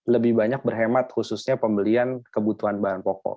lebih banyak berhemat khususnya pembelian kebutuhan bahan pokok